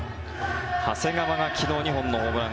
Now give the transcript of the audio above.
長谷川が昨日２本のホームラン。